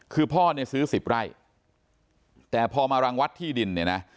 คือพ่อซื้อ๑๐ไร่แต่พอมารังวัดที่ดิน